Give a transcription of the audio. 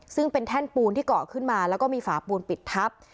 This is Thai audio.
ซึ่งเป็นแท่นปูนที่เกาะขึ้นมาแล้วก็มีฝาปูนปิดทับ